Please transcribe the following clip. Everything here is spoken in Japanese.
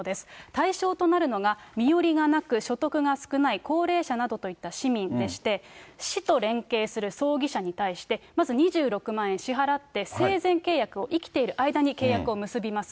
対象となるのが、身寄りがなく、所得が少ない高齢者などといった市民でして、市と連携する葬儀社に対して、まず２６万円支払って生前契約を生きている間に契約を結びます。